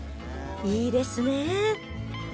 いいですね。